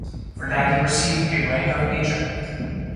For that he received a rank of major.